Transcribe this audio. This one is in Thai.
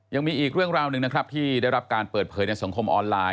ยังมีอีกเรื่องราวหนึ่งนะครับที่ได้รับการเปิดเผยในสังคมออนไลน